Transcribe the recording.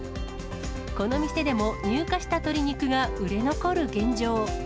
この店でも入荷した鶏肉が売れ残る現状。